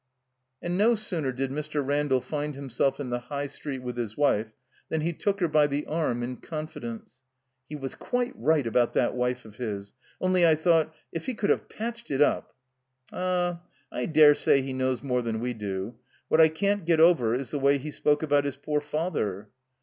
And no sooner did Mr. Randall find himself in the High Street with his wife than he took her by the arm in confidence. "He was quite right about that wife of his. Only I thought — ^if he cotdd have patched it up —" "Ah, I dare say he knows more than we do. What I can't get over is the way he spoke about his poor father."